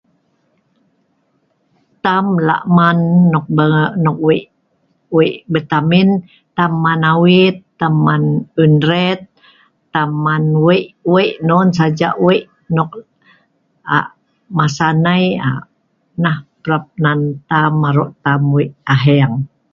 Tam la' tam nok be nok wei, wei vitamin tam man awit, tam man un ret, tam man wei wei non saja wei nok aa masa nai aa nah prap nan tam aro tam wei' aheeng.